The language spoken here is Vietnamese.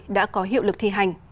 đã có hiệu lực thi hành